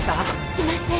いません。